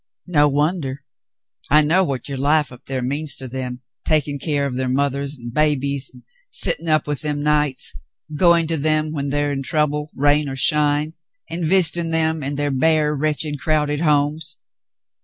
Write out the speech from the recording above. "No wonder ! I know what your life up there means to them, taking care of their mothers and babies, and sitting up with them nights, going to them when they are in trouble, rain or shine, and visiting them in their bare, wretched, crowded homes."